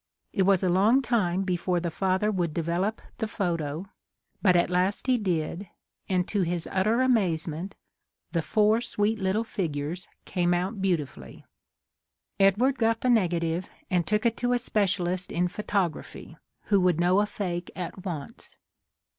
It was a long time be fore the father would develop the photo, but at last he did, and to his utter amazement the four sweet little figures came out beauti fully ! "Edward got the negative and took it to a specialist in photography who would know a fake at once.